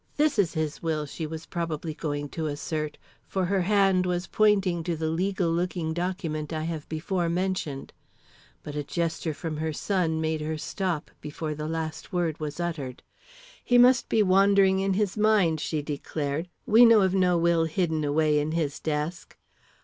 This is his will," she was probably going to assert, for her hand was pointing to the legal looking document I have before mentioned; but a gesture from her son made her stop before the last word was uttered. "He must be wandering in his mind," she declared. "We know of no will hidden away in his desk.